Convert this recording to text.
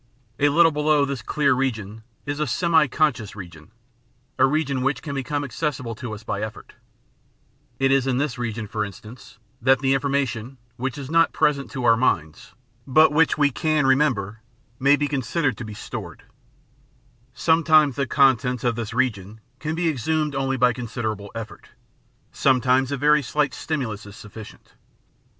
A little below this clear region is a semi conscious region, a region which can become accessible to us by effort. It is in this region, for instance, that the information which is not present to oiu* minds, *F. S. Granger, Ptyehology, * Win. McDougall, Ptyehology. The Science of the Mind 551 but which we can remember, may be considered to be stored. Sometimes the contents of this region can be exhwned only by considerable effort, sometimes a very slight stimulus is sufficient.